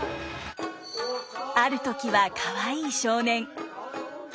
ある時はかわいい少年。